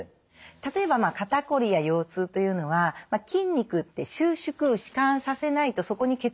例えば肩こりや腰痛というのは筋肉って収縮弛緩させないとそこに血液って流れないんですよね。